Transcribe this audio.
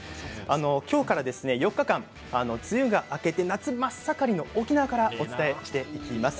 今日からですね、４日間梅雨が明けて夏真っ盛りの沖縄からお伝えしていきます。